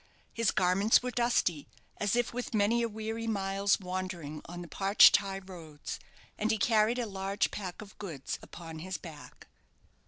His garments were dusty, as if with many a weary mile's wandering on the parched high roads, and he carried a large pack of goods upon his back.